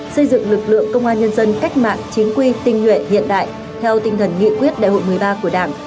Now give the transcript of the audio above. xây dựng lực lượng công an nhân dân cách mạng chính quy tinh nguyện hiện đại theo tinh thần nghị quyết đại hội một mươi ba của đảng